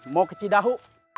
mau ke cidaho